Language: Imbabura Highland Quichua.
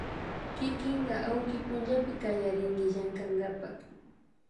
kikinka awaki pullapi kallarinki llankakapak